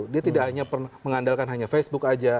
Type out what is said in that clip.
dia tidak hanya mengandalkan hanya facebook aja